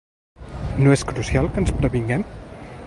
No és crucial que ens previnguem?